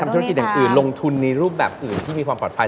ธุรกิจอย่างอื่นลงทุนในรูปแบบอื่นที่มีความปลอดภัย